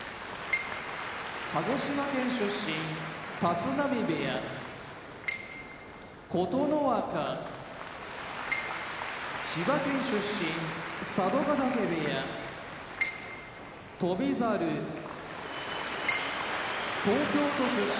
鹿児島県出身立浪部屋琴ノ若千葉県出身佐渡ヶ嶽部屋翔猿東京都出身